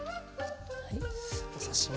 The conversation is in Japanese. お刺身も。